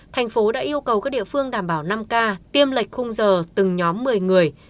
thành phố đã yêu cầu các địa phương đảm bảo năm k tiêm lệch khung giờ từng nhóm một mươi người